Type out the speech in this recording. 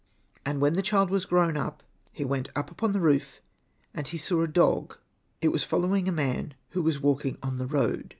And when the child was grown, he went up upon the roof, and he saw a dog ; it was following a man who was walking on the road.